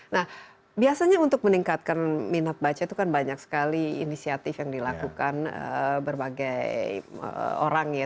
nah biasanya untuk meningkatkan minat baca itu kan banyak sekali inisiatif yang dilakukan berbagai orang ya